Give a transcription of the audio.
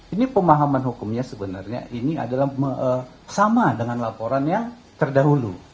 ini pemahaman hukumnya sebenarnya ini adalah sama dengan laporannya terdahulu